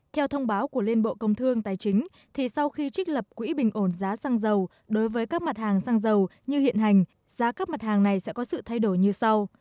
theo thông báo của liên bộ công thương tài chính thì sau khi trích lập quỹ bình ổn giá xăng dầu đối với các mặt hàng xăng dầu như hiện hành giá các mặt hàng này sẽ có sự thay đổi như sau